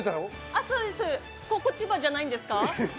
あれ、ここ千葉じゃないんですか？